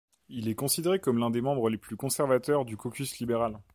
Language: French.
Il est considéré comme l'un des membres les plus conservateurs du caucus libéral.